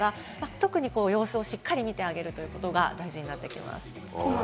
特に様子をしっかり見てあげるということが大事になってきます。